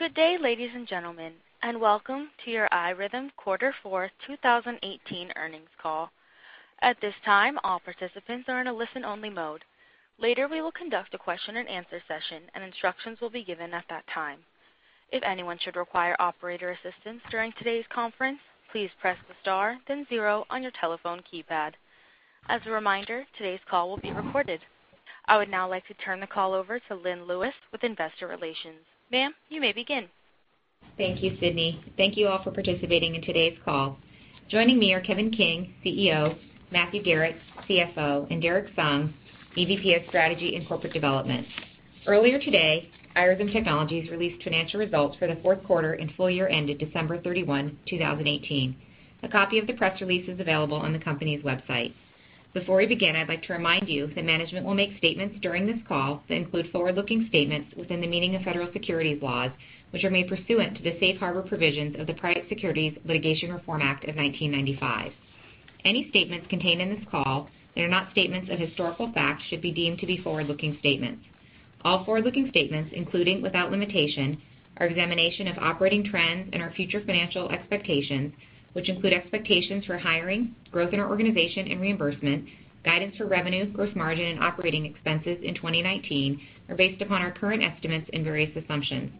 Good day, ladies and gentlemen, and welcome to your iRhythm Technologies quarter fourth 2018 earnings call. At this time, all participants are in a listen-only mode. Later, we will conduct a question and answer session, and instructions will be given at that time. If anyone should require operator assistance during today's conference, please press star, then zero on your telephone keypad. As a reminder, today's call will be recorded. I would now like to turn the call over to Leigh Salvo with Investor Relations. Ma'am, you may begin. Thank you, Sydney. Thank you all for participating in today's call. Joining me are Kevin King, CEO, Matthew Garrett, CFO, and Derrick Sung, EVP of Strategy and Corporate Development. Earlier today, iRhythm Technologies released financial results for the fourth quarter and full year ended December 31, 2018. A copy of the press release is available on the company's website. Before we begin, I'd like to remind you that management will make statements during this call that include forward-looking statements within the meaning of federal securities laws, which are made pursuant to the safe harbor provisions of the Private Securities Litigation Reform Act of 1995. Any statements contained in this call that are not statements of historical fact should be deemed to be forward-looking statements. All forward-looking statements, including, without limitation, our examination of operating trends and our future financial expectations, which include expectations for hiring, growth in our organization and reimbursement, guidance for revenue, gross margin, and operating expenses in 2019 are based upon our current estimates and various assumptions.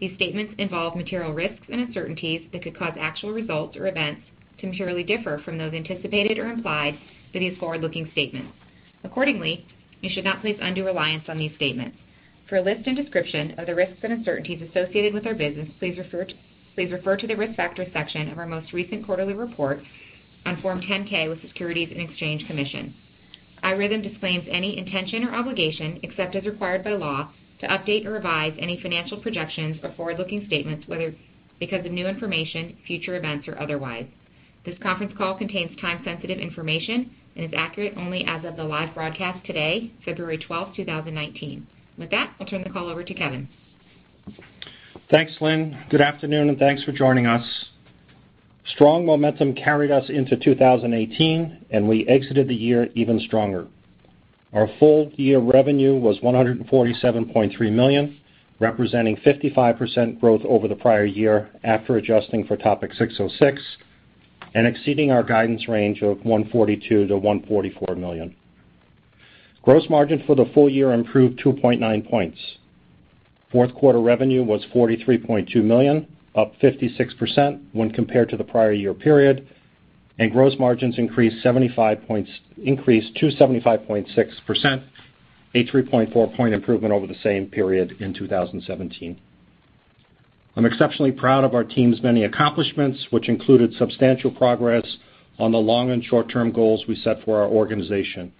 These statements involve material risks and uncertainties that could cause actual results or events to materially differ from those anticipated or implied by these forward-looking statements. Accordingly, you should not place undue reliance on these statements. For a list and description of the risks and uncertainties associated with our business, please refer to the Risk Factors section of our most recent quarterly report on Form 10-K with the Securities and Exchange Commission. iRhythm Technologies disclaims any intention or obligation, except as required by law, to update or revise any financial projections or forward-looking statements, whether because of new information, future events, or otherwise. This conference call contains time-sensitive information and is accurate only as of the live broadcast today, February 12, 2019. With that, I'll turn the call over to Kevin. Thanks, Leigh. Good afternoon, and thanks for joining us. Strong momentum carried us into 2018, and we exited the year even stronger. Our full year revenue was $147.3 million, representing 55% growth over the prior year after adjusting for Topic 606 and exceeding our guidance range of $142 million-$144 million. Gross margin for the full year improved 2.9 points. Fourth quarter revenue was $43.2 million, up 56% when compared to the prior year period. Gross margins increased to 75.6%, a 3.4 point improvement over the same period in 2017. I'm exceptionally proud of our team's many accomplishments, which included substantial progress on the long and short-term goals we set for our organization.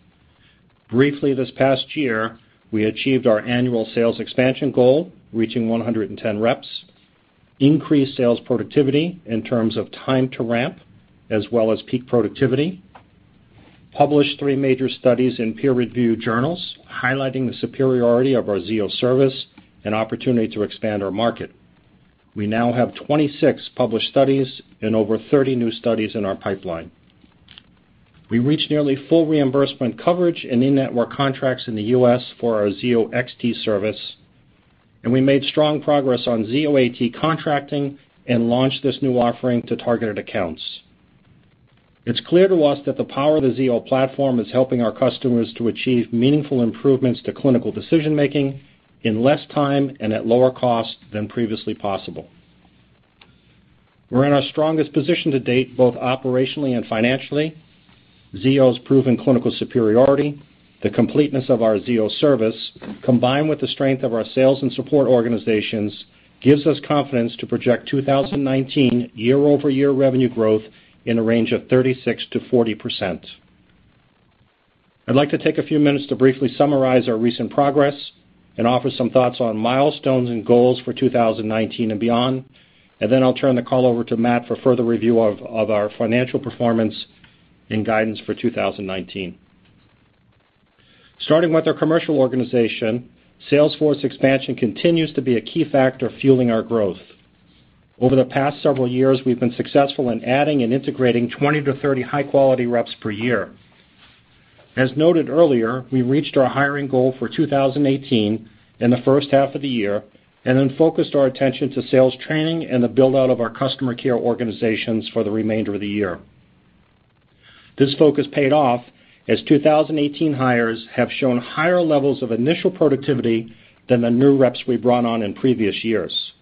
Briefly this past year, we achieved our annual sales expansion goal, reaching 110 reps, increased sales productivity in terms of time to ramp as well as peak productivity, published three major studies in peer review journals highlighting the superiority of our Zio service and opportunity to expand our market. We now have 26 published studies and over 30 new studies in our pipeline. We reached nearly full reimbursement coverage and in-network contracts in the U.S. for our Zio XT service, and we made strong progress on Zio AT contracting and launched this new offering to targeted accounts. It's clear to us that the power of the Zio platform is helping our customers to achieve meaningful improvements to clinical decision-making in less time and at lower cost than previously possible. We're in our strongest position to date, both operationally and financially. Zio's proven clinical superiority, the completeness of our Zio service, combined with the strength of our sales and support organizations gives us confidence to project 2019 year-over-year revenue growth in a range of 36%-40%. I'd like to take a few minutes to briefly summarize our recent progress and offer some thoughts on milestones and goals for 2019 and beyond. Then I'll turn the call over to Matthew for further review of our financial performance and guidance for 2019. Starting with our commercial organization, sales force expansion continues to be a key factor fueling our growth. Over the past several years, we've been successful in adding and integrating 20-30 high-quality reps per year. As noted earlier, we reached our hiring goal for 2018 in the first half of the year. Then focused our attention to sales training and the build-out of our customer care organizations for the remainder of the year. This focus paid off as 2018 hires have shown higher levels of initial productivity than the new reps we brought on in previous years.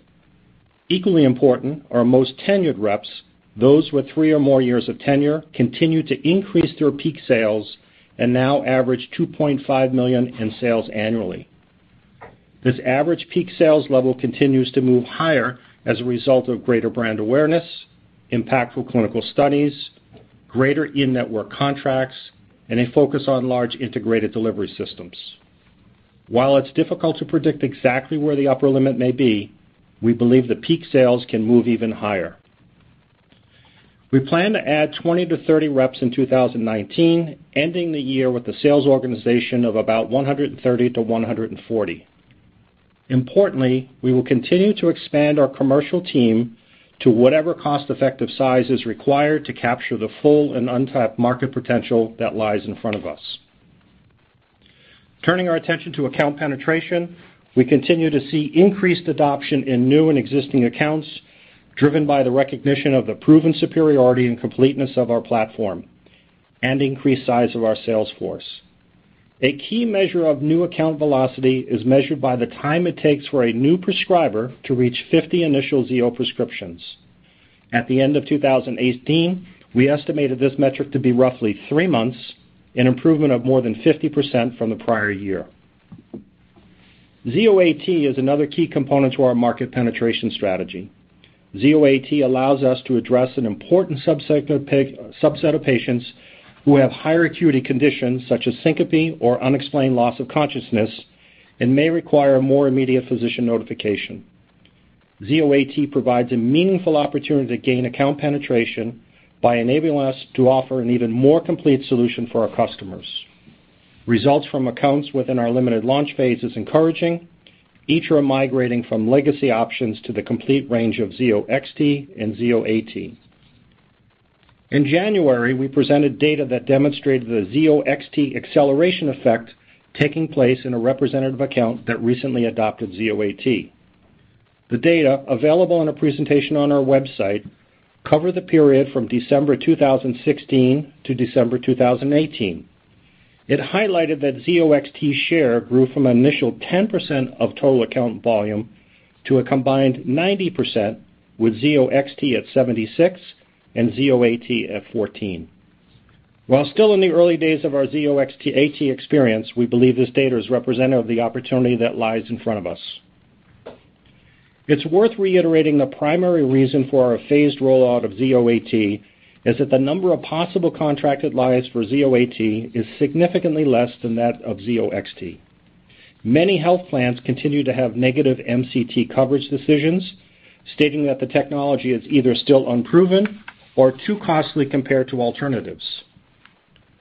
Equally important, our most tenured reps, those with three or more years of tenure, continue to increase their peak sales and now average $2.5 million in sales annually. This average peak sales level continues to move higher as a result of greater brand awareness, impactful clinical studies, greater in-network contracts, and a focus on large integrated delivery systems. While it's difficult to predict exactly where the upper limit may be, we believe that peak sales can move even higher. We plan to add 20-30 reps in 2019, ending the year with a sales organization of about 130-140. Importantly, we will continue to expand our commercial team to whatever cost-effective size is required to capture the full and untapped market potential that lies in front of us. Turning our attention to account penetration, we continue to see increased adoption in new and existing accounts, driven by the recognition of the proven superiority and completeness of our platform and increased size of our sales force. A key measure of new account velocity is measured by the time it takes for a new prescriber to reach 50 initial Zio prescriptions. At the end of 2018, we estimated this metric to be roughly three months, an improvement of more than 50% from the prior year. Zio AT is another key component to our market penetration strategy. Zio AT allows us to address an important subset of patients who have higher acuity conditions, such as syncope or unexplained loss of consciousness, and may require more immediate physician notification. Zio AT provides a meaningful opportunity to gain account penetration by enabling us to offer an even more complete solution for our customers. Results from accounts within our limited launch phase is encouraging, each are migrating from legacy options to the complete range of Zio XT and Zio AT. In January, we presented data that demonstrated the Zio XT acceleration effect taking place in a representative account that recently adopted Zio AT. The data, available in a presentation on our website, cover the period from December 2016 to December 2018. It highlighted that Zio XT share grew from an initial 10% of total account volume to a combined 90%, with Zio XT at 76% and Zio AT at 14%. While still in the early days of our Zio AT experience, we believe this data is representative of the opportunity that lies in front of us. It's worth reiterating the primary reason for our phased rollout of Zio AT is that the number of possible contracted lives for Zio AT is significantly less than that of Zio XT. Many health plans continue to have negative MCT coverage decisions, stating that the technology is either still unproven or too costly compared to alternatives.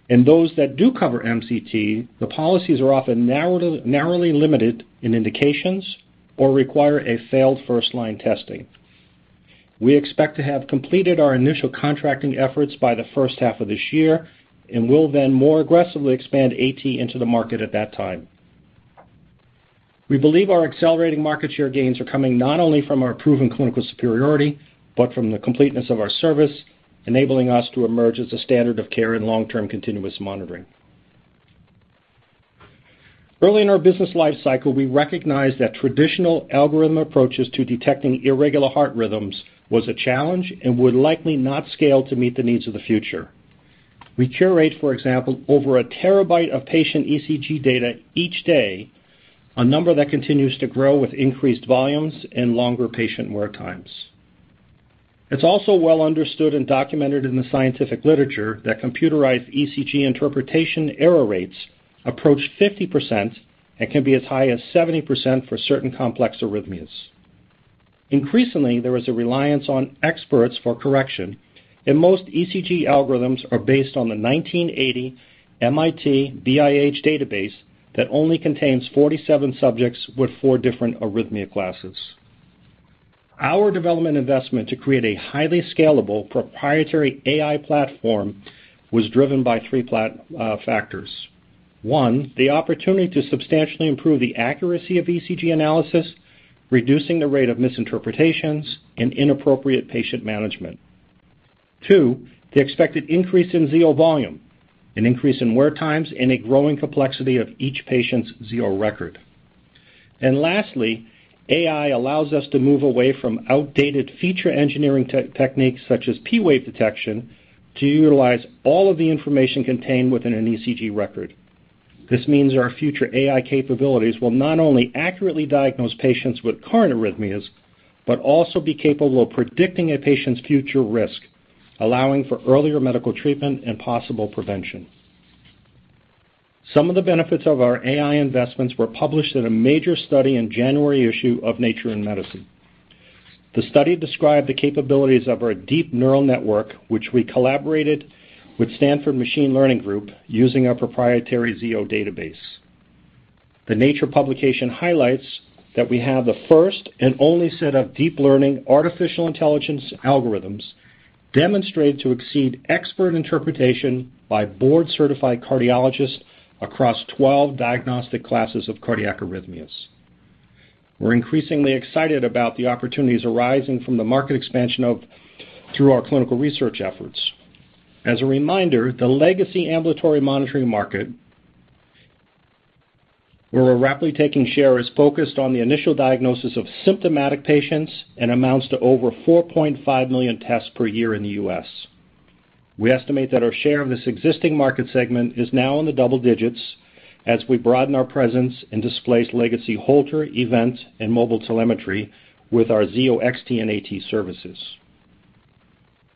In those that do cover MCT, the policies are often narrowly limited in indications or require a failed first-line testing. We expect to have completed our initial contracting efforts by the first half of this year and will then more aggressively expand AT into the market at that time. We believe our accelerating market share gains are coming not only from our proven clinical superiority, but from the completeness of our service, enabling us to emerge as a standard of care in long-term continuous monitoring. Early in our business life cycle, we recognized that traditional algorithm approaches to detecting irregular heart rhythms was a challenge and would likely not scale to meet the needs of the future. We curate, for example, over a terabyte of patient ECG data each day, a number that continues to grow with increased volumes and longer patient wear times. It's also well understood and documented in the scientific literature that computerized ECG interpretation error rates approach 50% and can be as high as 70% for certain complex arrhythmias. Increasingly, there is a reliance on experts for correction, most ECG algorithms are based on the 1980 MIT-BIH database that only contains 47 subjects with four different arrhythmia classes. Our development investment to create a highly scalable proprietary AI platform was driven by three factors. One, the opportunity to substantially improve the accuracy of ECG analysis, reducing the rate of misinterpretations and inappropriate patient management. Two, the expected increase in Zio volume, an increase in wear times, and a growing complexity of each patient's Zio record. Lastly, AI allows us to move away from outdated feature engineering techniques such as P-wave detection, to utilize all of the information contained within an ECG record. This means our future AI capabilities will not only accurately diagnose patients with current arrhythmias, but also be capable of predicting a patient's future risk, allowing for earlier medical treatment and possible prevention. Some of the benefits of our AI investments were published in a major study in January issue of Nature Medicine. The study described the capabilities of our deep neural network, which we collaborated with Stanford Machine Learning Group using our proprietary Zio database. The Nature publication highlights that we have the first and only set of deep learning artificial intelligence algorithms demonstrated to exceed expert interpretation by board-certified cardiologists across 12 diagnostic classes of cardiac arrhythmias. We're increasingly excited about the opportunities arising from the market expansion through our clinical research efforts. As a reminder, the legacy ambulatory monitoring market, where we're rapidly taking share, is focused on the initial diagnosis of symptomatic patients and amounts to over 4.5 million tests per year in the U.S. We estimate that our share of this existing market segment is now in the double digits as we broaden our presence and displace legacy Holter, event, and mobile telemetry with our Zio XT and Zio AT services.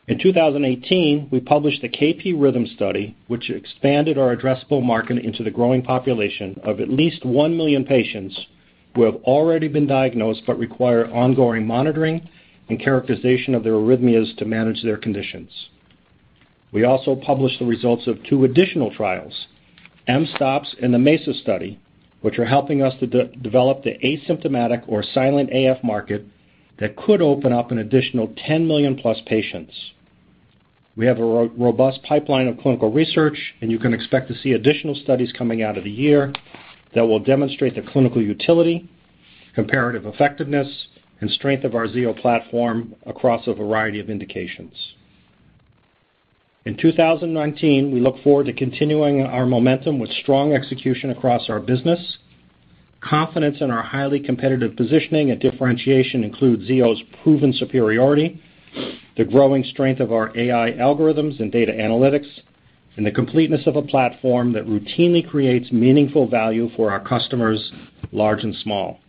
In 2018, we published the KP-RHYTHM study, which expanded our addressable market into the growing population of at least one million patients who have already been diagnosed but require ongoing monitoring and characterization of their arrhythmias to manage their conditions. We also published the results of two additional trials, mSToPS and the MESA study, which are helping us to develop the asymptomatic or silent AF market that could open up an additional 10 million+ patients. We have a robust pipeline of clinical research, you can expect to see additional studies coming out of the year that will demonstrate the clinical utility, comparative effectiveness, and strength of our Zio platform across a variety of indications. In 2019, we look forward to continuing our momentum with strong execution across our business. Confidence in our highly competitive positioning and differentiation includes Zio's proven superiority, the growing strength of our AI algorithms and data analytics, and the completeness of a platform that routinely creates meaningful value for our customers, large and small.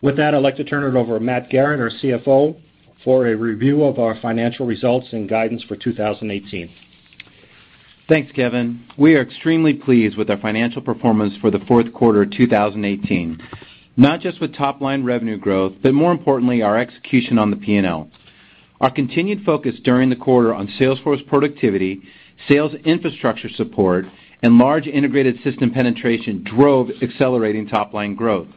With that, I'd like to turn it over to Matthew Garrett, our CFO, for a review of our financial results and guidance for 2018. Thanks, Kevin. We are extremely pleased with our financial performance for the fourth quarter of 2018. Not just with top-line revenue growth, but more importantly, our execution on the P&L. Our continued focus during the quarter on sales force productivity, sales infrastructure support, and large integrated system penetration drove accelerating top-line growth.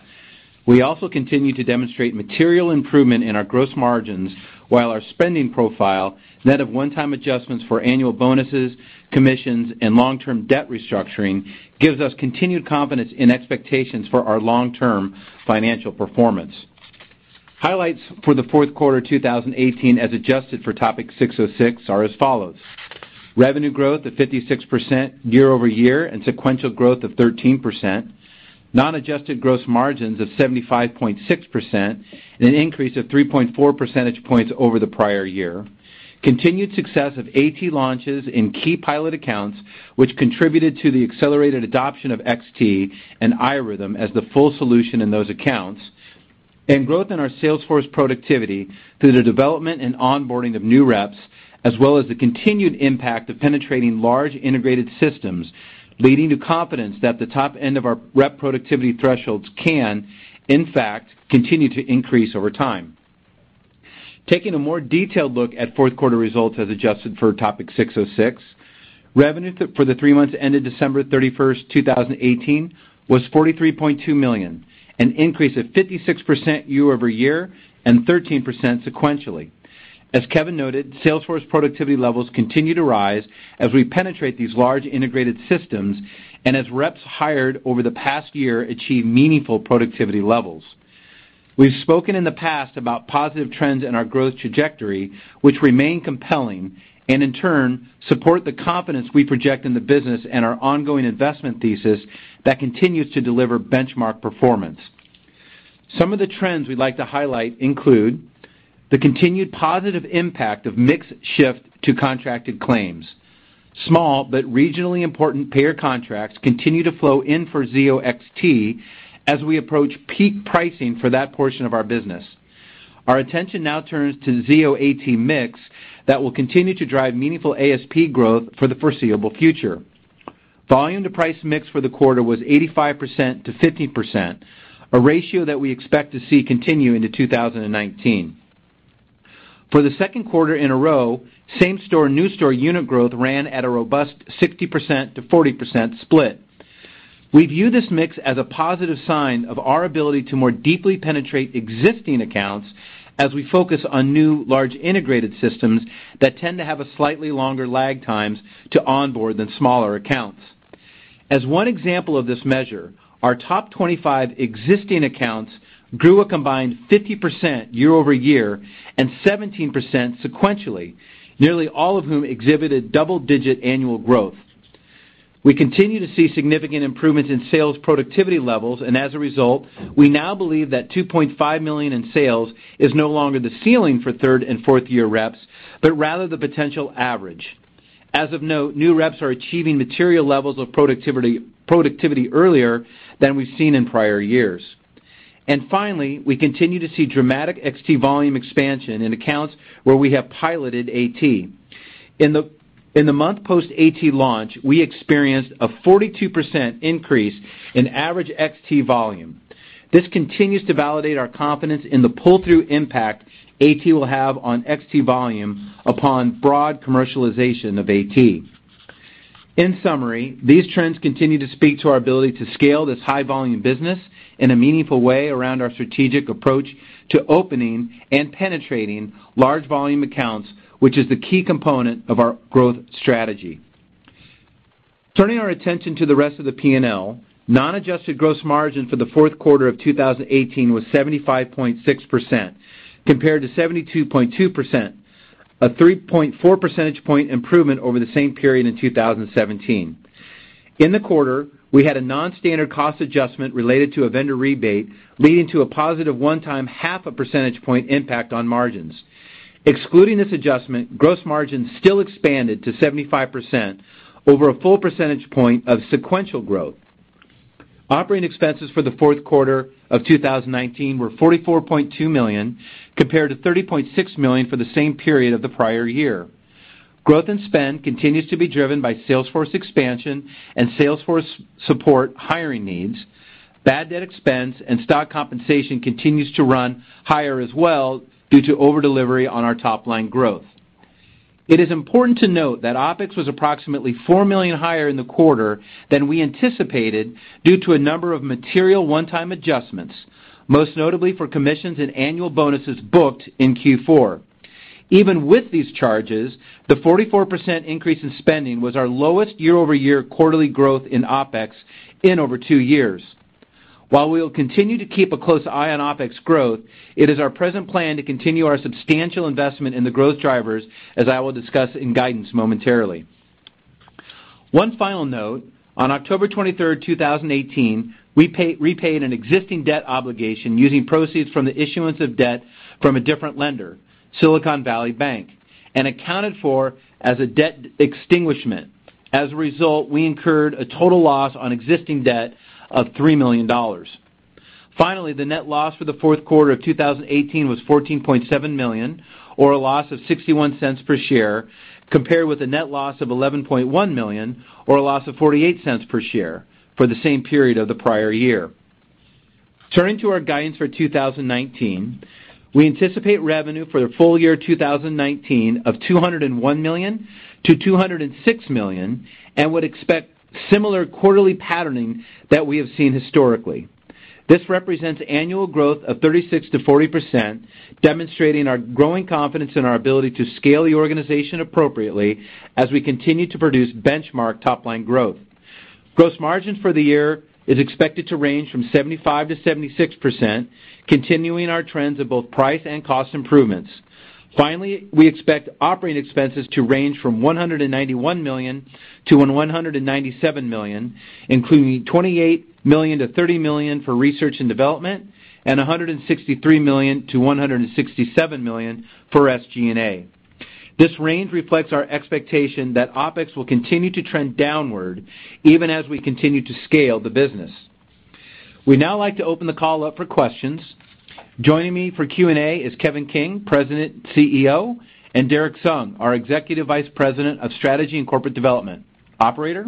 We also continue to demonstrate material improvement in our gross margins while our spending profile, net of one-time adjustments for annual bonuses, commissions, and long-term debt restructuring, gives us continued confidence in expectations for our long-term financial performance. Highlights for the fourth quarter 2018, as adjusted for Topic 606, are as follows. Revenue growth of 56% year-over-year and sequential growth of 13%, non-adjusted gross margins of 75.6%, an increase of 3.4 percentage points over the prior year. Continued success of AT launches in key pilot accounts, which contributed to the accelerated adoption of Zio XT and iRhythm Technologies as the full solution in those accounts, and growth in our sales force productivity through the development and onboarding of new reps, as well as the continued impact of penetrating large integrated systems, leading to confidence that the top end of our rep productivity thresholds can, in fact, continue to increase over time. Taking a more detailed look at fourth quarter results as adjusted for Topic 606, revenue for the three months ended December 31st, 2018 was $43.2 million, an increase of 56% year-over-year and 13% sequentially. As Kevin noted, sales force productivity levels continue to rise as we penetrate these large integrated systems and as reps hired over the past year achieve meaningful productivity levels. We've spoken in the past about positive trends in our growth trajectory, which remain compelling and, in turn, support the confidence we project in the business and our ongoing investment thesis that continues to deliver benchmark performance. Some of the trends we'd like to highlight include the continued positive impact of mix shift to contracted claims. Small but regionally important payer contracts continue to flow in for Zio XT as we approach peak pricing for that portion of our business. Our attention now turns to Zio AT mix that will continue to drive meaningful ASP growth for the foreseeable future. Volume to price mix for the quarter was 85%-15%, a ratio that we expect to see continue into 2019. For the second quarter in a row, same store/new store unit growth ran at a robust 60%-40% split. We view this mix as a positive sign of our ability to more deeply penetrate existing accounts as we focus on new large integrated systems that tend to have slightly longer lag times to onboard than smaller accounts. As one example of this measure, our top 25 existing accounts grew a combined 50% year-over-year and 17% sequentially, nearly all of whom exhibited double-digit annual growth. We continue to see significant improvements in sales productivity levels, and as a result, we now believe that $2.5 million in sales is no longer the ceiling for third and fourth-year reps, but rather the potential average. As of now, new reps are achieving material levels of productivity earlier than we've seen in prior years. Finally, we continue to see dramatic Zio XT volume expansion in accounts where we have piloted Zio AT. In the month post Zio AT launch, we experienced a 42% increase in average Zio XT volume. This continues to validate our confidence in the pull-through impact Zio AT will have on Zio XT volume upon broad commercialization of Zio AT. In summary, these trends continue to speak to our ability to scale this high-volume business in a meaningful way around our strategic approach to opening and penetrating large volume accounts, which is the key component of our growth strategy. Turning our attention to the rest of the P&L, non-adjusted gross margin for the fourth quarter of 2018 was 75.6%, compared to 72.2%, a 3.4 percentage point improvement over the same period in 2017. In the quarter, we had a non-standard cost adjustment related to a vendor rebate, leading to a positive one-time half a percentage point impact on margins. Excluding this adjustment, gross margin still expanded to 75%, over a full percentage point of sequential growth. Operating expenses for the fourth quarter of 2019 were $44.2 million, compared to $30.6 million for the same period of the prior year. Growth in spend continues to be driven by sales force expansion and sales force support hiring needs. Bad debt expense and stock compensation continues to run higher as well due to over-delivery on our top-line growth. It is important to note that OpEx was approximately $4 million higher in the quarter than we anticipated due to a number of material one-time adjustments, most notably for commissions and annual bonuses booked in Q4. Even with these charges, the 44% increase in spending was our lowest year-over-year quarterly growth in OpEx in over two years. While we will continue to keep a close eye on OpEx growth, it is our present plan to continue our substantial investment in the growth drivers, as I will discuss in guidance momentarily. One final note. On October 23rd, 2018, we repaid an existing debt obligation using proceeds from the issuance of debt from a different lender, Silicon Valley Bank, and accounted for as a debt extinguishment. As a result, we incurred a total loss on existing debt of $3 million. Finally, the net loss for the fourth quarter of 2018 was $14.7 million, or a loss of $0.61 per share, compared with a net loss of $11.1 million, or a loss of $0.48 per share for the same period of the prior year. Turning to our guidance for 2019, we anticipate revenue for the full year 2019 of $201 million-$206 million and would expect similar quarterly patterning that we have seen historically. This represents annual growth of 36%-40%, demonstrating our growing confidence in our ability to scale the organization appropriately as we continue to produce benchmark top-line growth. Gross margin for the year is expected to range from 75%-76%, continuing our trends of both price and cost improvements. We expect operating expenses to range from $191 million-$197 million, including $28 million-$30 million for research and development and $163 million-$167 million for SG&A. This range reflects our expectation that OpEx will continue to trend downward even as we continue to scale the business. We'd now like to open the call up for questions. Joining me for Q&A is Kevin King, President, CEO, and Derrick Sung, our Executive Vice President of Strategy and Corporate Development. Operator?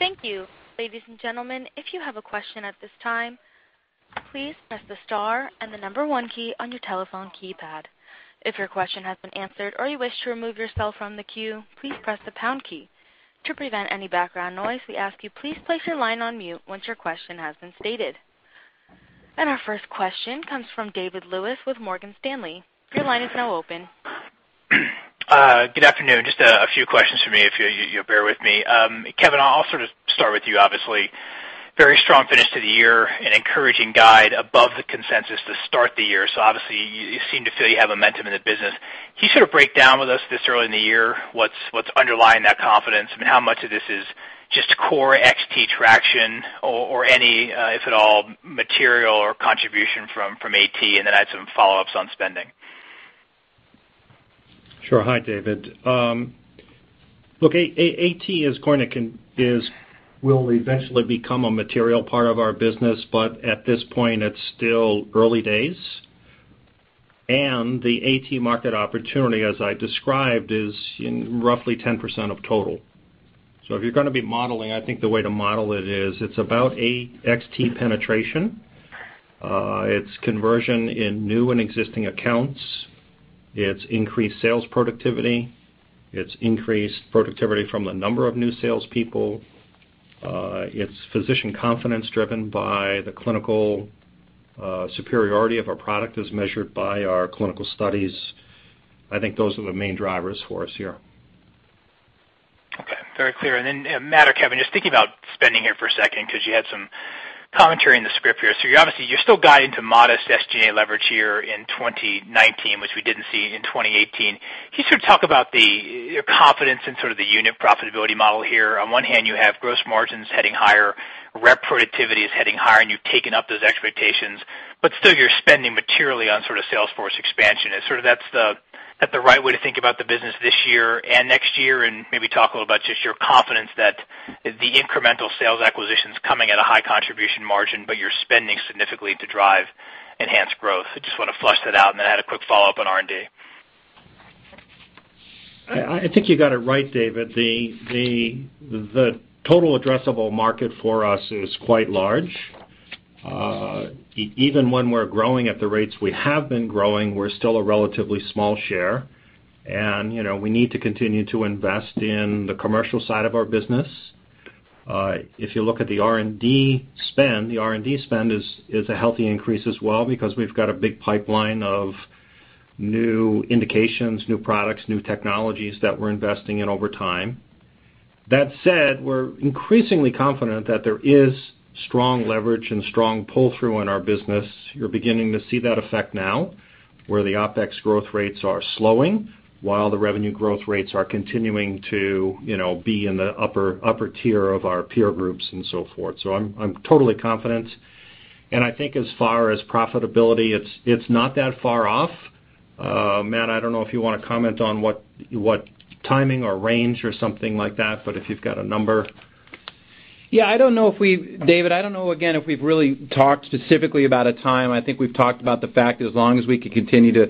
Thank you. Ladies and gentlemen, if you have a question at this time, please press the star and the number one key on your telephone keypad. If your question has been answered or you wish to remove yourself from the queue, please press the pound key. To prevent any background noise, we ask you please place your line on mute once your question has been stated. Our first question comes from David Lewis with Morgan Stanley. Your line is now open. Good afternoon. Just a few questions from me, if you'll bear with me. Kevin, I'll sort of start with you, obviously. Very strong finish to the year and encouraging guide above the consensus to start the year. Obviously, you seem to feel you have momentum in the business. Can you sort of break down with us this early in the year what's underlying that confidence? I mean, how much of this is just core Zio XT traction or any, if at all, material or contribution from Zio AT? Then I had some follow-ups on spending. Sure. Hi, David. Look, Zio AT will eventually become a material part of our business, but at this point, it's still early days. The Zio AT market opportunity, as I described, is roughly 10% of total. If you're going to be modeling, I think the way to model it is it's about Zio XT penetration. It's conversion in new and existing accounts. It's increased sales productivity. It's increased productivity from the number of new salespeople. It's physician confidence driven by the clinical superiority of our product as measured by our clinical studies. I think those are the main drivers for us here. Okay. Very clear. Matthew or Kevin, just thinking about spending here for a second because you had some commentary in the script here. You're obviously, you're still guiding to modest SG&A leverage here in 2019, which we didn't see in 2018. Can you sort of talk about your confidence in sort of the unit profitability model here? On one hand, you have gross margins heading higher, rep productivity is heading higher, and you've taken up those expectations. Still, you're spending materially on sort of salesforce expansion. Is sort of that the right way to think about the business this year and next year? Maybe talk a little about just your confidence that the incremental sales acquisition's coming at a high contribution margin, but you're spending significantly to drive enhanced growth. I just want to flush that out, and then I had a quick follow-up on R&D. I think you got it right, David. The total addressable market for us is quite large. Even when we're growing at the rates we have been growing, we're still a relatively small share. We need to continue to invest in the commercial side of our business. If you look at the R&D spend, the R&D spend is a healthy increase as well because we've got a big pipeline of new indications, new products, new technologies that we're investing in over time. That said, we're increasingly confident that there is strong leverage and strong pull-through in our business. You're beginning to see that effect now, where the OpEx growth rates are slowing while the revenue growth rates are continuing to be in the upper tier of our peer groups and so forth. I'm totally confident, and I think as far as profitability, it's not that far off. Matthew, I don't know if you want to comment on what timing or range or something like that, but if you've got a number. Yeah, David, I don't know, again, if we've really talked specifically about a time. I think we've talked about the fact that as long as we can continue to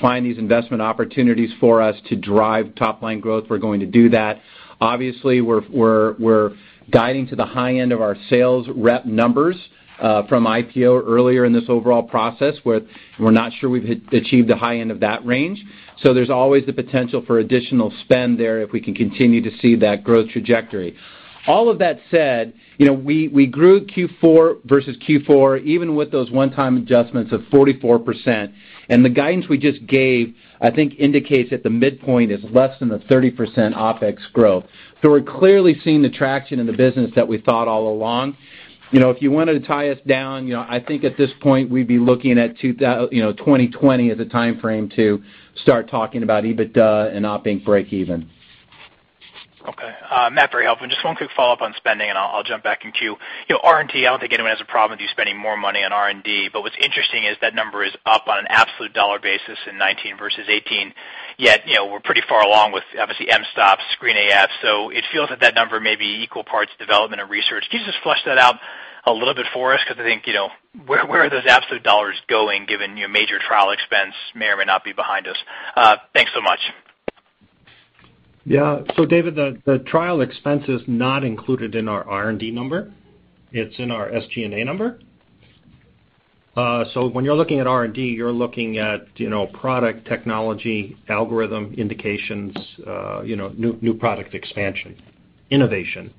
find these investment opportunities for us to drive top-line growth, we're going to do that. Obviously, we're guiding to the high end of our sales rep numbers from IPO earlier in this overall process, where we're not sure we've achieved the high end of that range. There's always the potential for additional spend there if we can continue to see that growth trajectory. All of that said, we grew Q4 versus Q4, even with those one-time adjustments of 44%. The guidance we just gave, I think, indicates that the midpoint is less than the 30% OpEx growth. We're clearly seeing the traction in the business that we thought all along. If you wanted to tie us down, I think at this point, we'd be looking at 2020 as a timeframe to start talking about EBITDA and operating breakeven. Okay. Matthew, very helpful. Just one quick follow-up on spending, and I'll jump back in queue. R&D, I don't think anyone has a problem with you spending more money on R&D, but what's interesting is that number is up on an absolute dollar basis in 2019 versus 2018, yet, we're pretty far along with, obviously, mSToPS, SCREEN-AF, it feels that that number may be equal parts development and research. Can you just flesh that out a little bit for us? Because I think, where are those absolute dollars going given your major trial expense may or may not be behind us? Thanks so much. Yeah. David, the trial expense is not included in our R&D number. It's in our SG&A number. When you're looking at R&D, you're looking at product technology, algorithm indications, new product expansion, innovation.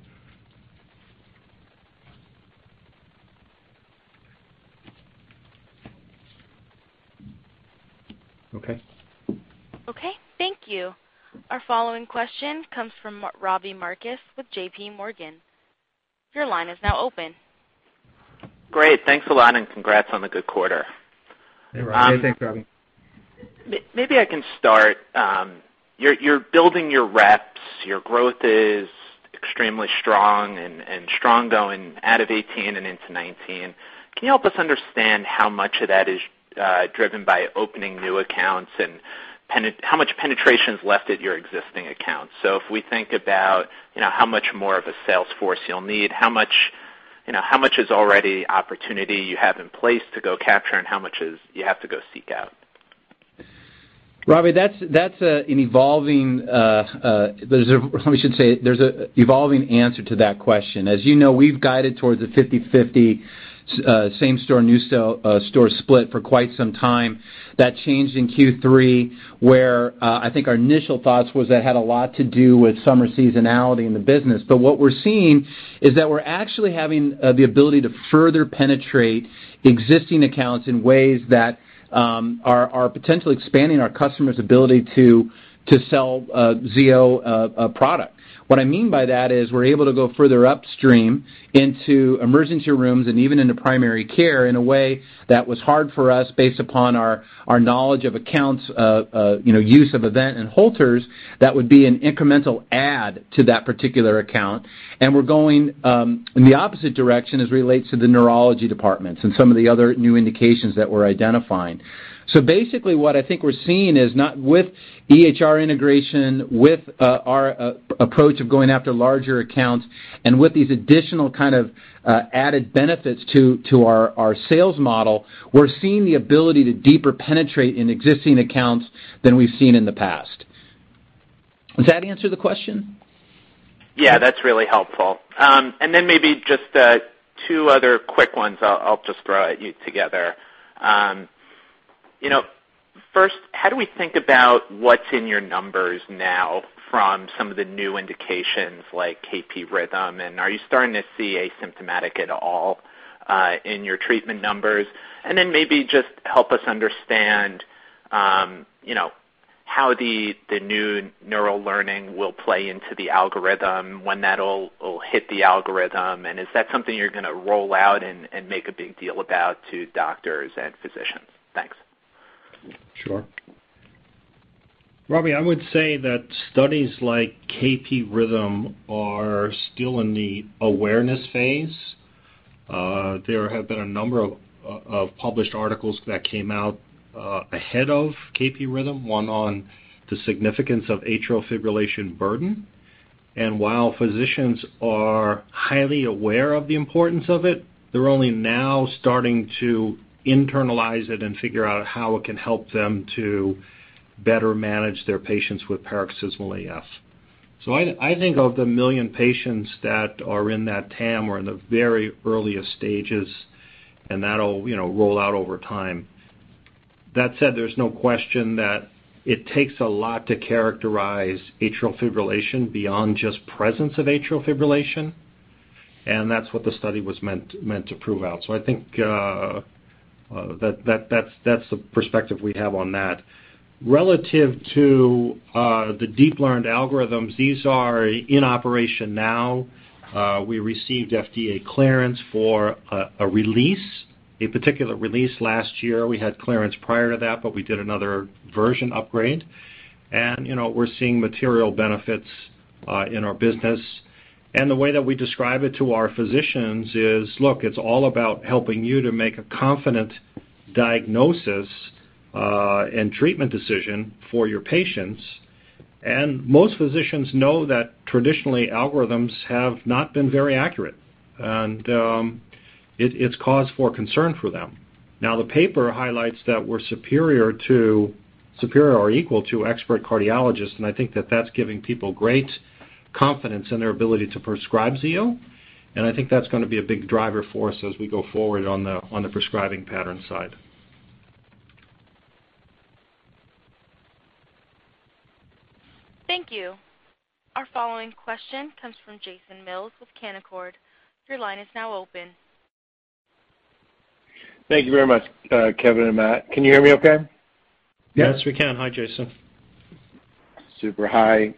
Okay. Okay. Thank you. Our following question comes from Robbie Marcus with JPMorgan. Your line is now open. Great. Thanks a lot and congrats on the good quarter. Hey, Robbie. Thanks, Robbie. Maybe I can start. You're building your reps. Your growth is extremely strong and strong going out of 2018 and into 2019. Can you help us understand how much of that is driven by opening new accounts and how much penetration's left at your existing accounts? If we think about how much more of a sales force you'll need, how much is already opportunity you have in place to go capture, and how much is you have to go seek out? Robbie, that's an evolving, or we should say, there's a evolving answer to that question. As you know, we've guided towards a 50/50 same store, new store split for quite some time. That changed in Q3, where I think our initial thoughts was that had a lot to do with summer seasonality in the business. What we're seeing is that we're actually having the ability to further penetrate existing accounts in ways that are potentially expanding our customers' ability to sell Zio product. What I mean by that is we're able to go further upstream into emergency rooms and even into primary care in a way that was hard for us based upon our knowledge of accounts, use of event and Holters that would be an incremental add to that particular account. We're going in the opposite direction as it relates to the neurology departments and some of the other new indications that we're identifying. Basically, what I think we're seeing is not with EHR integration, with our approach of going after larger accounts, and with these additional kind of added benefits to our sales model, we're seeing the ability to deeper penetrate in existing accounts than we've seen in the past. Does that answer the question? Yeah, that's really helpful. Then maybe just two other quick ones I'll just throw at you together. First, how do we think about what's in your numbers now from some of the new indications like KP-RHYTHM, and are you starting to see asymptomatic at all in your treatment numbers? Then maybe just help us understand how the new neural learning will play into the algorithm, when that'll hit the algorithm, and is that something you're going to roll out and make a big deal about to doctors and physicians? Thanks. Sure. Robbie, I would say that studies like KP-RHYTHM are still in the awareness phase. There have been a number of published articles that came out ahead of KP-RHYTHM, one on the significance of atrial fibrillation burden. While physicians are highly aware of the importance of it, they're only now starting to internalize it and figure out how it can help them to better manage their patients with paroxysmal AF. I think of the 1 million patients that are in that TAM or in the very earliest stages, and that'll roll out over time. That said, there's no question that it takes a lot to characterize atrial fibrillation beyond just presence of atrial fibrillation, and that's what the study was meant to prove out. I think that's the perspective we have on that. Relative to the deep learned algorithms, these are in operation now. We received FDA clearance for a release, a particular release last year. We had clearance prior to that, but we did another version upgrade. We're seeing material benefits in our business. The way that we describe it to our physicians is, "Look, it's all about helping you to make a confident diagnosis and treatment decision for your patients." Most physicians know that traditionally, algorithms have not been very accurate, and it's cause for concern for them. Now, the paper highlights that we're superior or equal to expert cardiologists, and I think that that's giving people great confidence in their ability to prescribe Zio, and I think that's going to be a big driver for us as we go forward on the prescribing pattern side. Thank you. Our following question comes from Jason Mills with Canaccord Genuity. Your line is now open. Thank you very much, Kevin and Matthew. Can you hear me okay? Yes. Yes, we can. Hi, Jason. Super. Hi.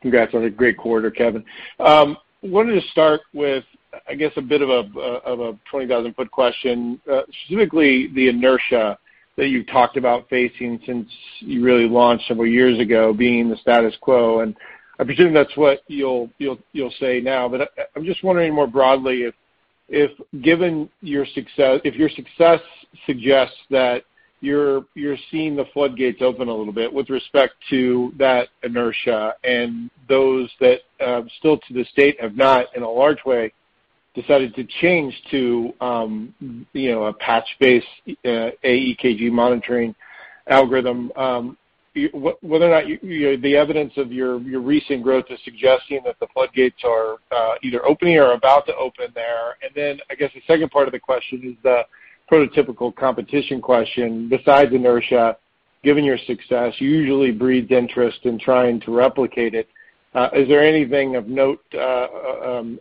Congrats on a great quarter, Kevin. Wanted to start with, I guess, a bit of a 20,000-foot question, specifically the inertia that you've talked about facing since you really launched several years ago being the status quo, and I presume that's what you'll say now. I'm just wondering more broadly if your success suggests that you're seeing the floodgates open a little bit with respect to that inertia and those that still to this date have not, in a large way, decided to change to a patch-based AECG monitoring algorithm. Whether or not the evidence of your recent growth is suggesting that the floodgates are either opening or about to open there. I guess the second part of the question is the prototypical competition question. Besides inertia, given your success usually breeds interest in trying to replicate it, is there anything of note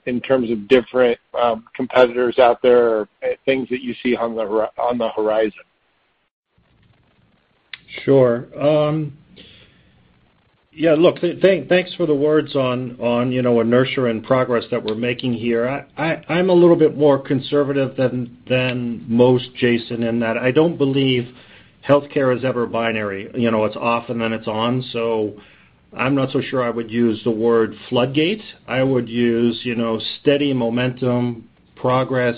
in terms of different competitors out there or things that you see on the horizon? Sure. Yeah, look, thanks for the words on inertia and progress that we're making here. I'm a little bit more conservative than most, Jason, in that I don't believe healthcare is ever binary, it's off and then it's on. I'm not so sure I would use the word floodgate. I would use steady momentum, progress,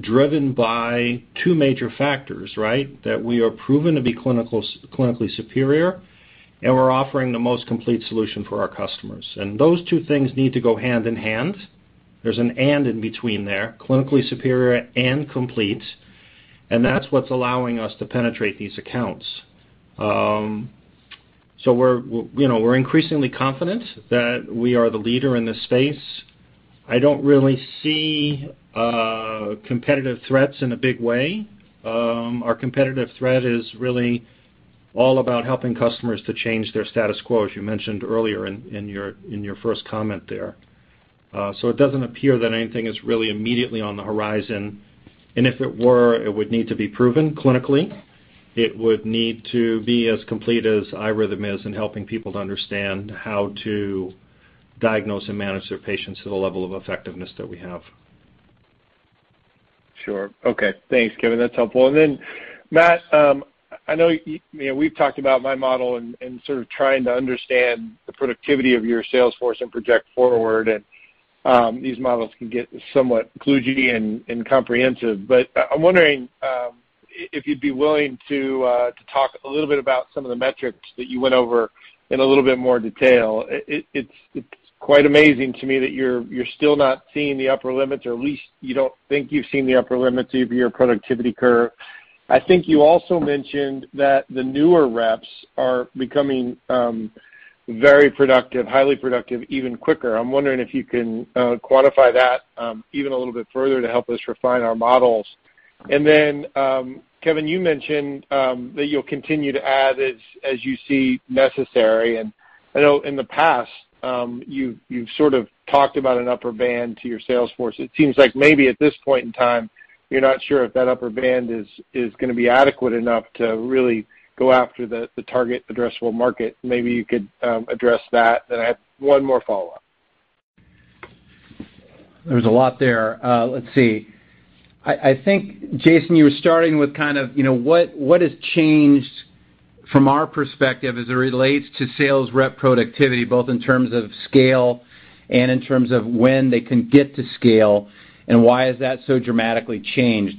driven by two major factors, right? That we are proven to be clinically superior, and we're offering the most complete solution for our customers. Those two things need to go hand in hand. There's an and in between there, clinically superior and complete, and that's what's allowing us to penetrate these accounts. We're increasingly confident that we are the leader in this space. I don't really see competitive threats in a big way. Our competitive threat is really all about helping customers to change their status quo, as you mentioned earlier in your first comment there. It doesn't appear that anything is really immediately on the horizon, and if it were, it would need to be proven clinically. It would need to be as complete as iRhythm Technologies is in helping people to understand how to diagnose and manage their patients to the level of effectiveness that we have. Sure. Okay. Thanks, Kevin. That's helpful. Matthew, I know we've talked about my model and sort of trying to understand the productivity of your sales force and project forward, and these models can get somewhat kludgy and comprehensive. I'm wondering if you'd be willing to talk a little bit about some of the metrics that you went over in a little bit more detail. It's quite amazing to me that you're still not seeing the upper limits, or at least you don't think you've seen the upper limits of your productivity curve. You also mentioned that the newer reps are becoming very productive, highly productive, even quicker. I'm wondering if you can quantify that even a little bit further to help us refine our models. Kevin, you mentioned that you'll continue to add as you see necessary. I know in the past, you've sort of talked about an upper band to your sales force. It seems like maybe at this point in time, you're not sure if that upper band is going to be adequate enough to really go after the target addressable market. Maybe you could address that. I have one more follow-up. There's a lot there. Let's see. Jason, you were starting with kind of what has changed from our perspective as it relates to sales rep productivity, both in terms of scale and in terms of when they can get to scale, and why is that so dramatically changed.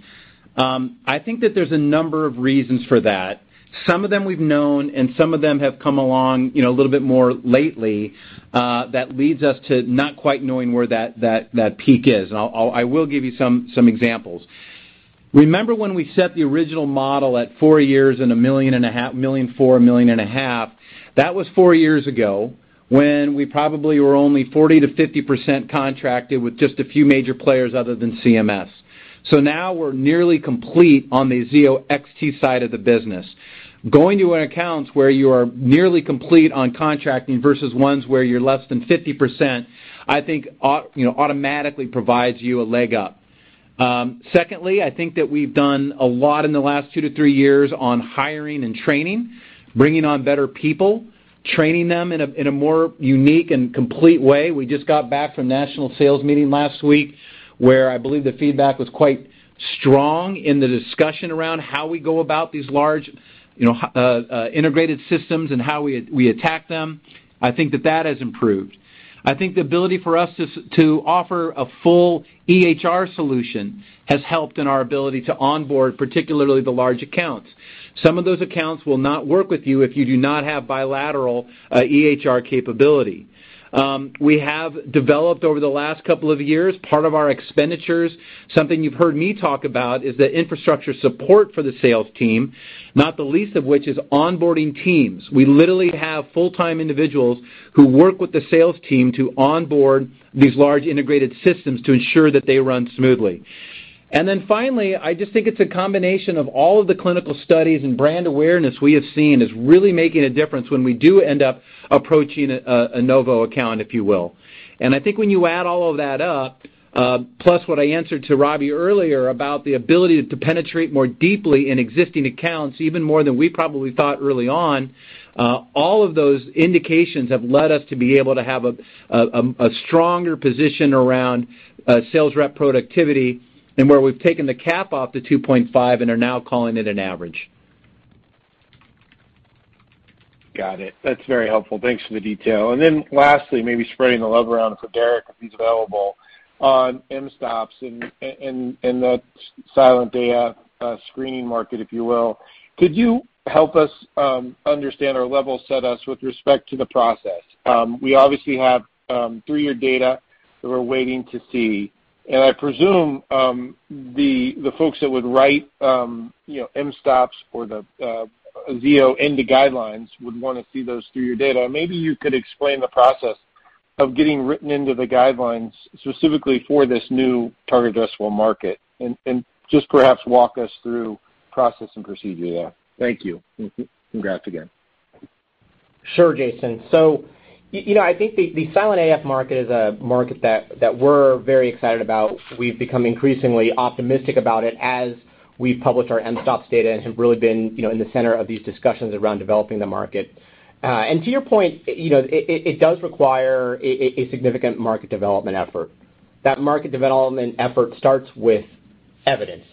There's a number of reasons for that. Some of them we've known, and some of them have come along a little bit more lately, that leads us to not quite knowing where that peak is. I will give you some examples. Remember when we set the original model at four years and $1.4 million, $1.5 million? That was four years ago when we probably were only 40%-50% contracted with just a few major players other than CMS. Now we're nearly complete on the Zio XT side of the business. Going to accounts where you are nearly complete on contracting versus ones where you're less than 50%, automatically provides you a leg up. We've done a lot in the last 2-3 years on hiring and training, bringing on better people, training them in a more unique and complete way. We just got back from national sales meeting last week, where the feedback was quite strong in the discussion around how we go about these large integrated systems and how we attack them. That has improved. The ability for us to offer a full EHR solution has helped in our ability to onboard, particularly the large accounts. Some of those accounts will not work with you if you do not have bilateral EHR capability. We have developed over the last couple of years, part of our expenditures, something you've heard me talk about is the infrastructure support for the sales team, not the least of which is onboarding teams. We literally have full-time individuals who work with the sales team to onboard these large integrated systems to ensure that they run smoothly. Finally, I just think it's a combination of all of the clinical studies and brand awareness we have seen is really making a difference when we do end up approaching de novo account, if you will. I think when you add all of that up, plus what I answered to Robbie earlier about the ability to penetrate more deeply in existing accounts, even more than we probably thought early on, all of those indications have led us to be able to have a stronger position around sales rep productivity and where we've taken the cap off the 2.5 and are now calling it an average. Got it. That's very helpful. Thanks for the detail. Lastly, maybe spreading the love around for Derrick, if he's available, on mSToPS and that silent AF screening market, if you will. Could you help us understand or level set us with respect to the process? We obviously have three-year data that we're waiting to see. I presume the folks that would write mSToPS or the Zio into guidelines would want to see those three-year data. Maybe you could explain the process of getting written into the guidelines specifically for this new target addressable market, and just perhaps walk us through process and procedure there. Thank you. Congrats again. Sure, Jason. I think the silent AF market is a market that we're very excited about. We've become increasingly optimistic about it as we've published our mSToPS data and have really been in the center of these discussions around developing the market. To your point, it does require a significant market development effort. That market development effort starts with evidence,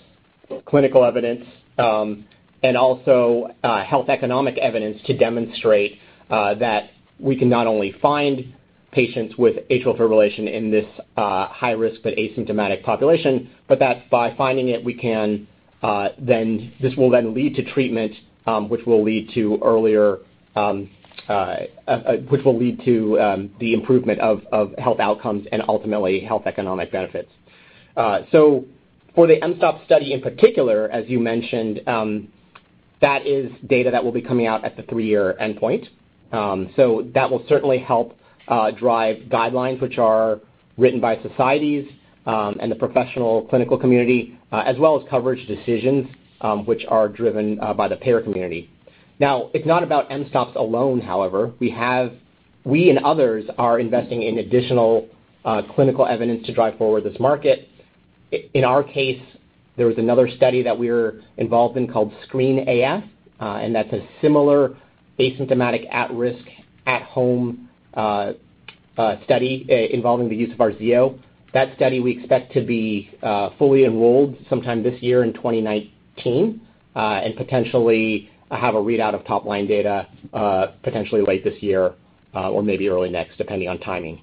clinical evidence, and also health economic evidence to demonstrate that we can not only find patients with atrial fibrillation in this high risk but asymptomatic population, but that by finding it, this will then lead to treatment, which will lead to the improvement of health outcomes and ultimately health economic benefits. For the mSToPS study in particular, as you mentioned, that is data that will be coming out at the three-year endpoint. That will certainly help drive guidelines which are written by societies, and the professional clinical community, as well as coverage decisions, which are driven by the payer community. Now, it's not about mSToPS alone, however. We and others are investing in additional clinical evidence to drive forward this market. In our case, there was another study that we were involved in called SCREEN-AF, and that's a similar asymptomatic, at risk, at home study involving the use of our Zio. That study we expect to be fully enrolled sometime this year in 2019 and potentially have a readout of top-line data potentially late this year or maybe early next, depending on timing.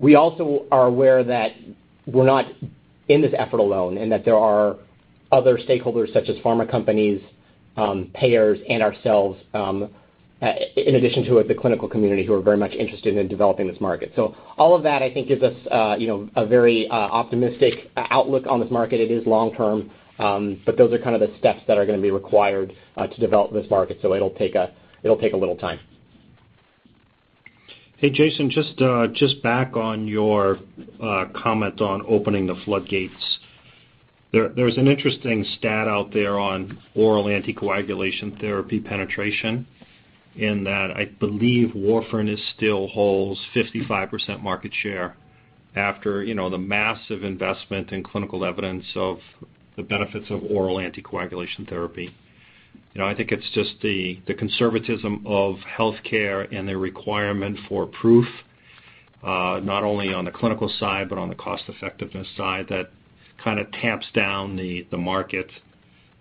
We also are aware that we're not in this effort alone and that there are other stakeholders such as pharma companies, payers, and ourselves, in addition to the clinical community who are very much interested in developing this market. All of that I think gives us a very optimistic outlook on this market. It is long term, but those are the steps that are going to be required to develop this market. It'll take a little time. Hey, Jason, just back on your comment on opening the floodgates. There's an interesting stat out there on oral anticoagulation therapy penetration in that I believe warfarin still holds 55% market share after the massive investment in clinical evidence of the benefits of oral anticoagulation therapy. I think it's just the conservatism of healthcare and the requirement for proof, not only on the clinical side, but on the cost effectiveness side that tamps down the market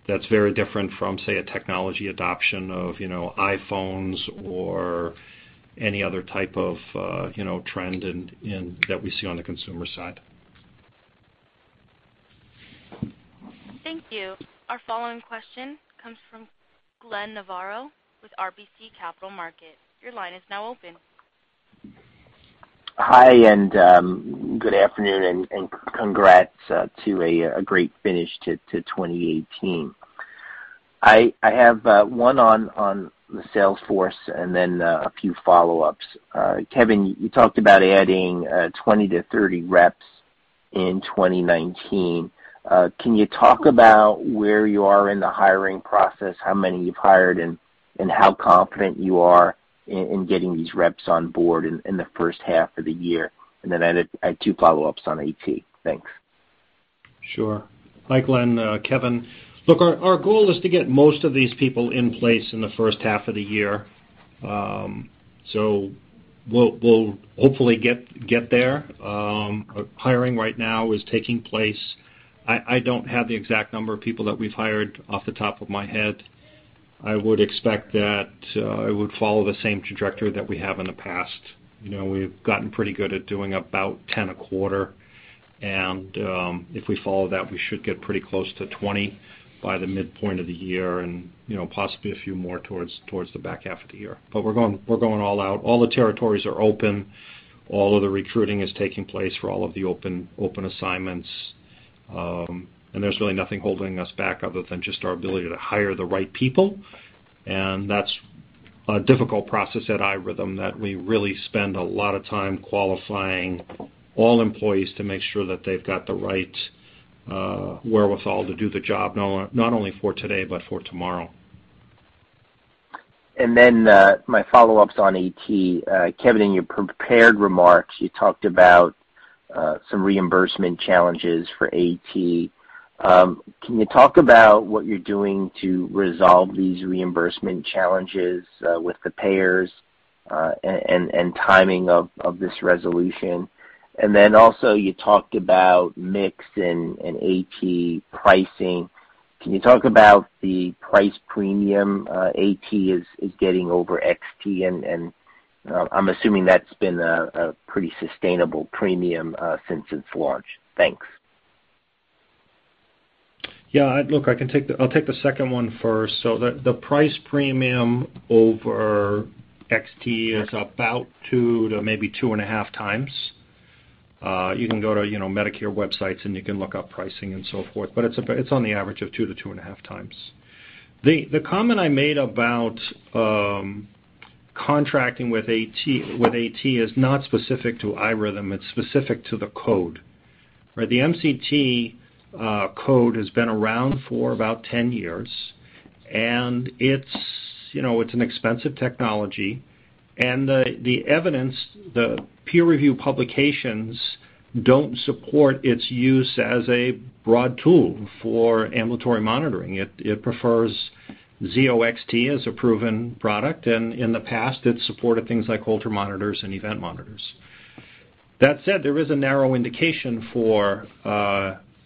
that's very different from, say, a technology adoption of iPhones or any other type of trend that we see on the consumer side. Thank you. Our following question comes from Glenn Novarro with RBC Capital Markets. Your line is now open. Hi, good afternoon, and congrats to a great finish to 2018. I have one on the sales force and then a few follow-ups. Kevin, you talked about adding 20-30 reps in 2019. Can you talk about where you are in the hiring process, how many you've hired, and how confident you are in getting these reps on board in the first half of the year? I had two follow-ups on Zio AT. Thanks. Sure. Hi, Glenn, Kevin. Look, our goal is to get most of these people in place in the first half of the year. We'll hopefully get there. Hiring right now is taking place. I don't have the exact number of people that we've hired off the top of my head. I would expect that it would follow the same trajectory that we have in the past. We've gotten pretty good at doing about 10 a quarter. If we follow that, we should get pretty close to 20 by the midpoint of the year and possibly a few more towards the back half of the year. We're going all out. All the territories are open. All of the recruiting is taking place for all of the open assignments. And there's really nothing holding us back other than just our ability to hire the right people. That's a difficult process at iRhythm Technologies, that we really spend a lot of time qualifying all employees to make sure that they've got the right wherewithal to do the job, not only for today but for tomorrow. My follow-up's on Zio AT. Kevin, in your prepared remarks, you talked about some reimbursement challenges for Zio AT. Can you talk about what you're doing to resolve these reimbursement challenges with the payers, and timing of this resolution? Also, you talked about mix and Zio AT pricing. Can you talk about the price premium Zio AT is getting over Zio XT? I'm assuming that's been a pretty sustainable premium since its launch. Thanks. Yeah. The price premium over Zio XT is about 2x to maybe 2.5x. You can go to Medicare websites, you can look up pricing and so forth, it's on the average of 2x-2.5x. The comment I made about contracting with Zio AT is not specific to iRhythm Technologies. It's specific to the code. The MCT code has been around for about 10 years, it's an expensive technology, the evidence, the peer review publications don't support its use as a broad tool for ambulatory monitoring. It prefers Zio XT as a proven product. In the past, it's supported things like Holter monitors and event monitors. That said, there is a narrow indication for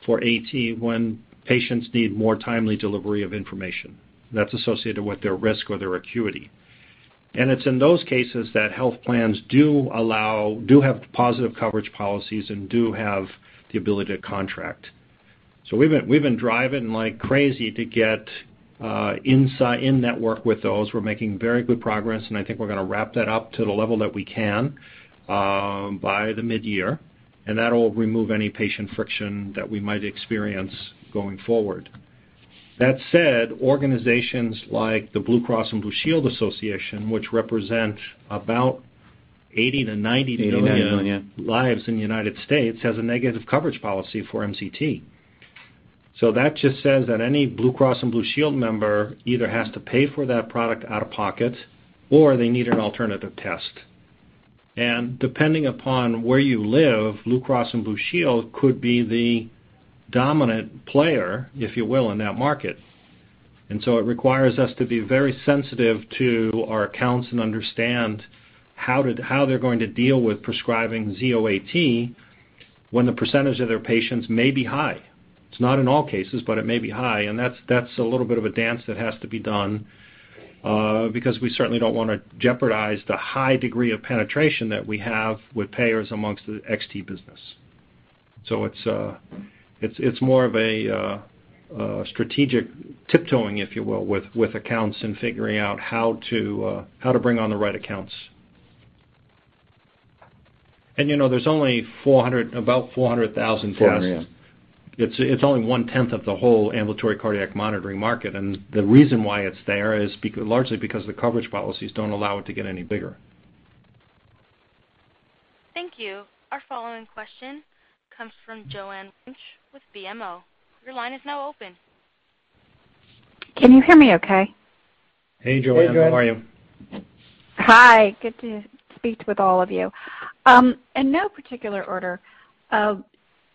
Zio AT when patients need more timely delivery of information that's associated with their risk or their acuity. It's in those cases that health plans do have positive coverage policies and do have the ability to contract. We've been driving like crazy to get in network with those. We're making very good progress, and I think we're going to wrap that up to the level that we can by the mid-year. That'll remove any patient friction that we might experience going forward. That said, organizations like the Blue Cross Blue Shield Association, which represent about 80 million-90 million lives in the U.S., has a negative coverage policy for MCT. That just says that any Blue Cross Blue Shield Association member either has to pay for that product out of pocket, or they need an alternative test. Depending upon where you live, Blue Cross Blue Shield could be the dominant player, if you will, in that market. It requires us to be very sensitive to our accounts and understand how they're going to deal with prescribing Zio AT when the percentage of their patients may be high. It's not in all cases, it may be high, that's a little bit of a dance that has to be done, because we certainly don't want to jeopardize the high degree of penetration that we have with payers amongst the Zio XT business. It's more of a strategic tiptoeing, if you will, with accounts and figuring out how to bring on the right accounts. There's only about 400,000 tests. 400,000. It's only 1/10 of the whole ambulatory cardiac monitoring market, the reason why it's there is largely because the coverage policies don't allow it to get any bigger. Thank you. Our following question comes from Joanne Wuensch with BMO Capital Markets. Your line is now open. Can you hear me okay? Hey, Joanne. Hey, Joanne. How are you? Hi. Good to speak with all of you. In no particular order,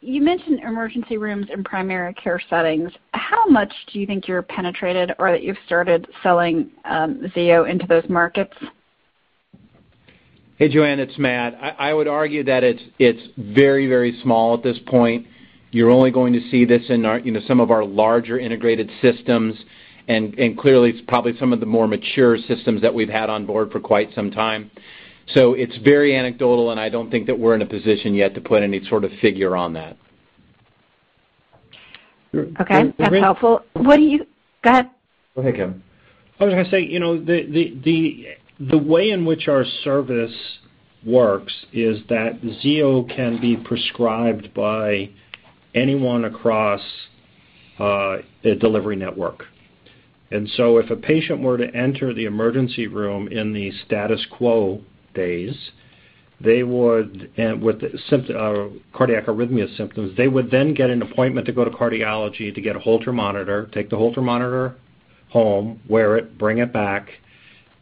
you mentioned emergency rooms in primary care settings. How much do you think you're penetrated or that you've started selling Zio into those markets? Hey, Joanne, it's Matthew. I would argue that it's very small at this point. You're only going to see this in some of our larger integrated systems, and clearly it's probably some of the more mature systems that we've had on board for quite some time. It's very anecdotal, and I don't think that we're in a position yet to put any sort of figure on that. Go ahead. Kevin. I was going to say, the way in which our service works is that Zio can be prescribed by anyone across a delivery network. If a patient were to enter the emergency room in the status quo days with cardiac arrhythmia symptoms, they would then get an appointment to go to cardiology to get a Holter monitor, take the Holter monitor home, wear it, bring it back,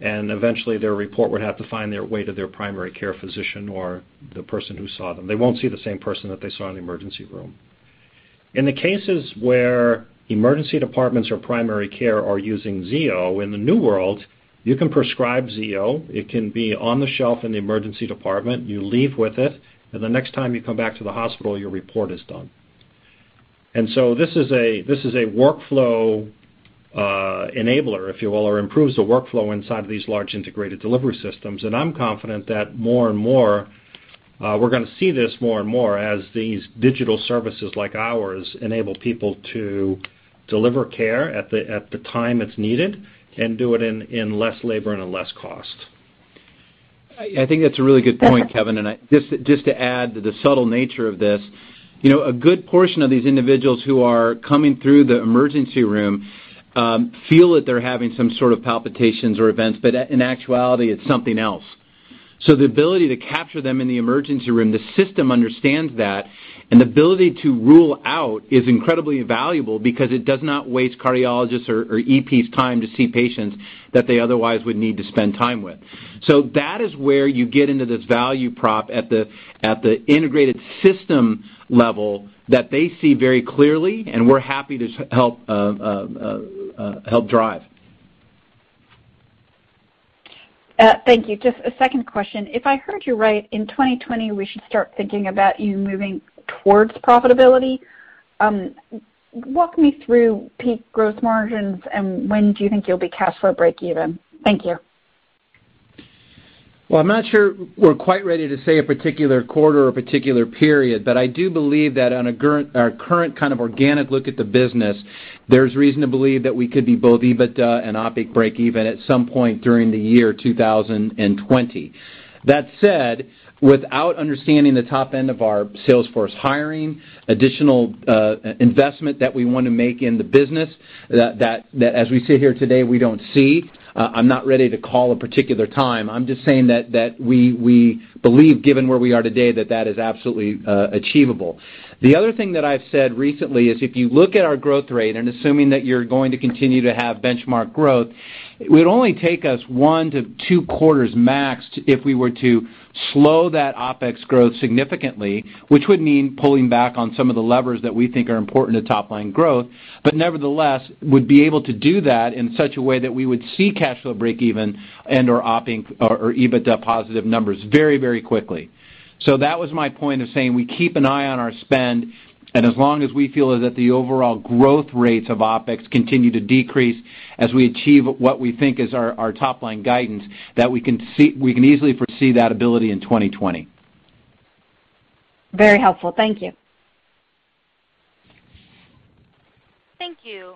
and eventually their report would have to find their way to their primary care physician or the person who saw them. They won't see the same person that they saw in the emergency room. In the cases where emergency departments or primary care are using Zio, in the new world, you can prescribe Zio. It can be on the shelf in the emergency department. You leave with it, and the next time you come back to the hospital, your report is done. This is a workflow enabler, if you will, or improves the workflow inside these large integrated delivery systems. I'm confident that more and more, we're going to see this more and more as these digital services like ours enable people to deliver care at the time it's needed and do it in less labor and in less cost. I think that's a really good point, Kevin, and just to add to the subtle nature of this, a good portion of these individuals who are coming through the emergency room feel that they're having some sort of palpitations or events, but in actuality, it's something else. The ability to capture them in the emergency room, the system understands that, and the ability to rule out is incredibly valuable because it does not waste cardiologists' or EPs' time to see patients that they otherwise would need to spend time with. That is where you get into this value prop at the integrated system level that they see very clearly and we're happy to help drive. Thank you. Just a second question. If I heard you right, in 2020, we should start thinking about you moving towards profitability. Walk me through peak growth margins and when do you think you'll be cash flow breakeven? Thank you. Well, I'm not sure we're quite ready to say a particular quarter or a particular period, but I do believe that on our current kind of organic look at the business, there's reason to believe that we could be both EBITDA and operating income breakeven at some point during the year 2020. That said, without understanding the top end of our sales force hiring, additional investment that we want to make in the business that as we sit here today, we don't see, I'm not ready to call a particular time. I'm just saying that we believe, given where we are today, that that is absolutely achievable. The other thing that I've said recently is if you look at our growth rate and assuming that you're going to continue to have benchmark growth, it would only take us one to two quarters max if we were to slow that OpEx growth significantly, which would mean pulling back on some of the levers that we think are important to top-line growth, but nevertheless, would be able to do that in such a way that we would see cash flow breakeven and/or EBITDA positive numbers very quickly. That was my point of saying we keep an eye on our spend, and as long as we feel that the overall growth rates of OpEx continue to decrease as we achieve what we think is our top-line guidance, that we can easily foresee that ability in 2020. Very helpful. Thank you. Thank you.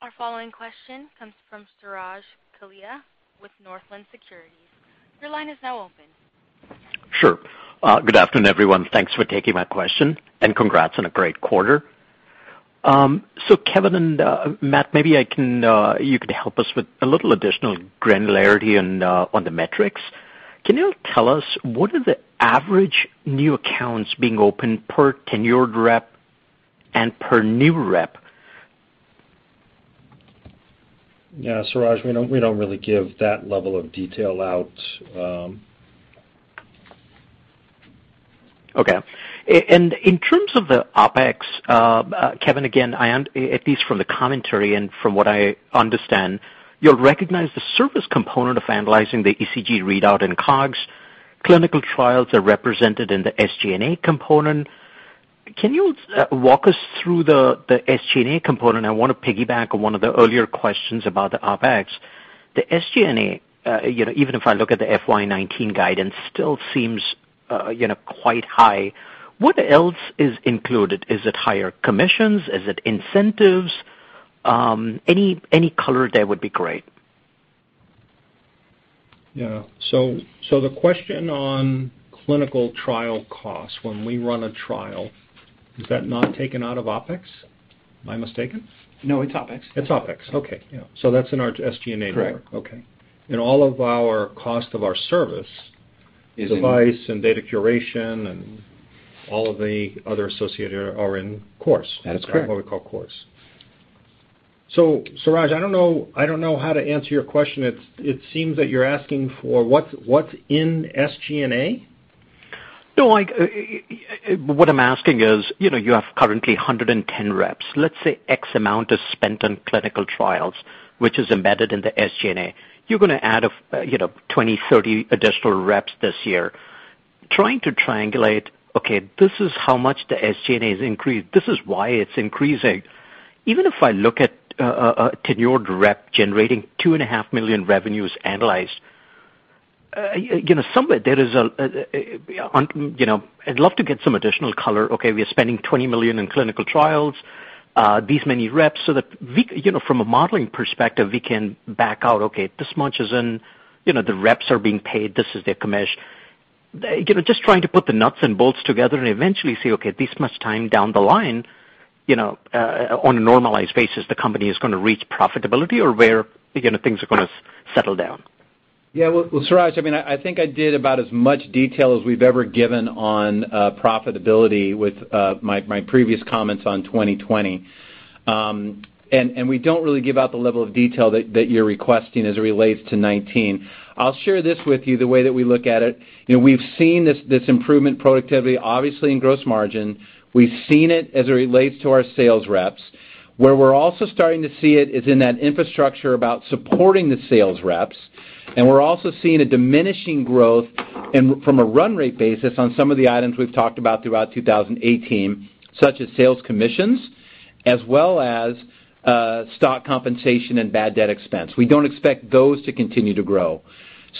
Our following question comes from Suraj Kalia with Northland Securities. Your line is now open. Sure. Good afternoon, everyone. Thanks for taking my question, and congrats on a great quarter. Kevin and Matthew, maybe you could help us with a little additional granularity on the metrics. Can you tell us what are the average new accounts being opened per tenured rep and per new rep? Yeah, Suraj, we don't really give that level of detail out. Okay. In terms of the OpEx, Kevin, again, at least from the commentary and from what I understand, you'll recognize the service component of analyzing the ECG readout and COGS. Clinical trials are represented in the SG&A component. Can you walk us through the SG&A component? I want to piggyback on one of the earlier questions about the OpEx. The SG&A, even if I look at the FY 2019 guidance, still seems quite high. What else is included? Is it higher commissions? Is it incentives? Any color there would be great. Yeah. The question on clinical trial costs when we run a trial, is that not taken out of OpEx? Am I mistaken? No, it's OpEx. It's OpEx. Okay. Yeah. That's in our SG&A more. Correct. Okay. All of our cost of our service- Is in- device and data curation and all of the other associated are in COGS. That is correct. What we call COGS. Suraj, I don't know how to answer your question. It seems that you're asking for what's in SG&A? No, what I'm asking is, you have currently 110 reps. Let's say X amount is spent on clinical trials, which is embedded in the SG&A. You're going to add 20, 30 additional reps this year. Trying to triangulate, okay, this is how much the SG&A has increased. This is why it's increasing. Even if I look at a tenured rep generating $2.5 million revenues analyzed, somewhere there is a I'd love to get some additional color. Okay, we are spending $20 million in clinical trials, these many reps, so that from a modeling perspective, we can back out, okay, this much is in, the reps are being paid, this is their commission. Just trying to put the nuts and bolts together and eventually say, okay, this much time down the line, on a normalized basis, the company is going to reach profitability or where things are going to settle down. Yeah. Well, Suraj, I think I did about as much detail as we've ever given on profitability with my previous comments on 2020. We don't really give out the level of detail that you're requesting as it relates to 2019. I'll share this with you, the way that we look at it. We've seen this improvement in productivity, obviously in gross margin. We've seen it as it relates to our sales reps. Where we're also starting to see it is in that infrastructure about supporting the sales reps. We're also seeing a diminishing growth from a run rate basis on some of the items we've talked about throughout 2018, such as sales commissions, as well as stock compensation and bad debt expense. We don't expect those to continue to grow.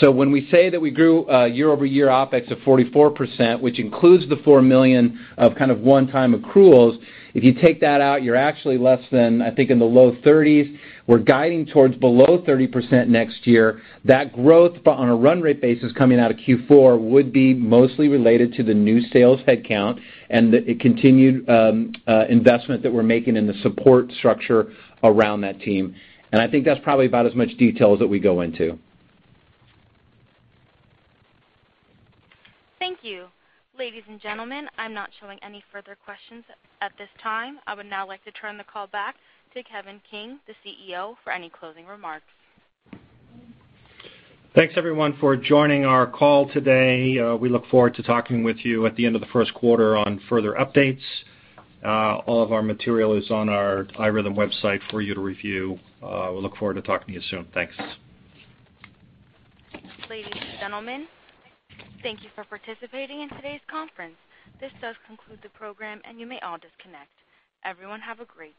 When we say that we grew year-over-year OpEx of 44%, which includes the $4 million of kind of one-time accruals, if you take that out, you're actually less than, I think, in the low 30s. We're guiding towards below 30% next year. That growth on a run rate basis coming out of Q4 would be mostly related to the new sales headcount and the continued investment that we're making in the support structure around that team. I think that's probably about as much detail as that we go into. Thank you. Ladies and gentlemen, I'm not showing any further questions at this time. I would now like to turn the call back to Kevin King, the CEO, for any closing remarks. Thanks, everyone, for joining our call today. We look forward to talking with you at the end of the first quarter on further updates. All of our material is on our iRhythm Technologies website for you to review. We look forward to talking to you soon. Thanks. Ladies and gentlemen, thank you for participating in today's conference. This does conclude the program, and you may all disconnect. Everyone have a great day.